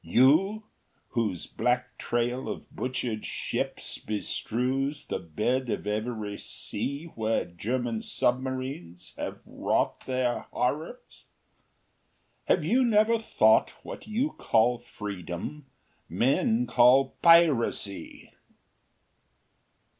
You, whose black trail of butchered ships Bestrews the bed of every sea Where German submarines have wrought Their horrors! Have you never thought, What you call freedom, men call piracy!